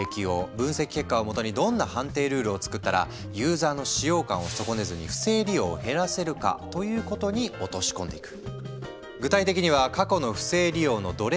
分析結果をもとにどんな判定ルールを作ったらユーザーの使用感を損ねずに不正利用を減らせるかということに落とし込んでいく。